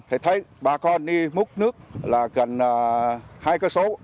thấy thấy bà con đi múc nước là gần hai cơ số